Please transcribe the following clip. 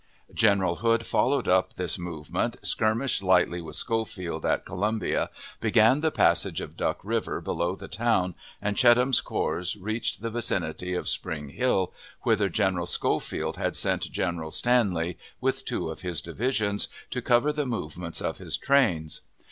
General Hood followed up this movement, skirmished lightly with Schofield at Columbia, began the passage of Duck River, below the town, and Cheatham's corps reached the vicinity of Spring Hill, whither General Schofield had sent General Stanley, with two of his divisions, to cover the movement of his trains.